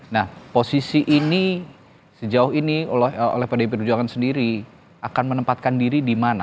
nah posisi ini sejauh ini oleh pdi perjuangan sendiri akan menempatkan diri di mana